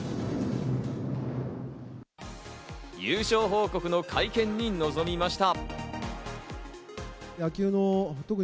優勝報告の会見に臨みました。